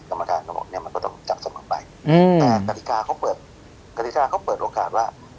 กรรมการเขาบอกเนี่ยมันก็ต้องจับเสมอไปแต่กฎิกาเขาเปิดกฎิกาเขาเปิดโอกาสว่า